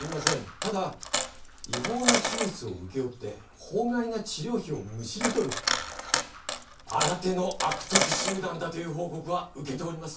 ただ違法な手術を請け負って法外な治療費をむしり取る新手の悪徳集団だという報告は受けております